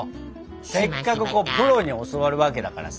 せっかくプロに教わるわけだからさ。